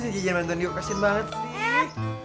sini jejen bantuin gue kasian banget sih